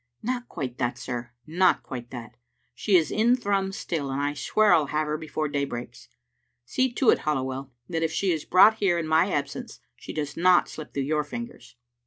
"Not quite that, sir, not quite that. She is in Thrums still, and I swear I'll have her before day breaks. See to it, Halliwell, that if she is brought here in my absence she does not slip through your fingers."